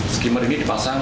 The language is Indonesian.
skimmer ini dipasang